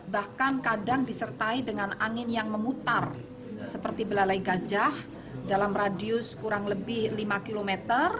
bahkan kadang disertai dengan angin yang memutar seperti belalai gajah dalam radius kurang lebih lima km